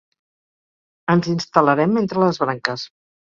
Ens instal·larem entre les branques.